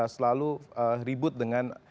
selalu ribut dengan